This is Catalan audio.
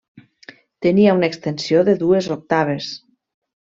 Tenia una extensió de dues octaves.